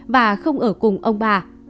và không ở cùng ông bà